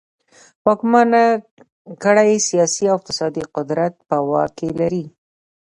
واکمنه کړۍ سیاسي او اقتصادي قدرت په واک کې لري.